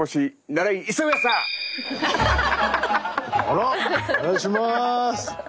お願いします！